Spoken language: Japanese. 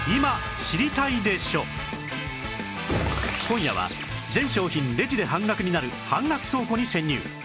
今夜は全商品レジで半額になる半額倉庫に潜入